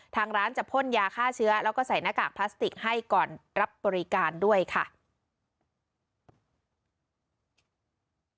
ทางร้านจะพ่นยาฆ่าเชื้อแล้วก็ใส่หน้ากากพลาสติกให้ก่อนรับบริการด้วยค่ะ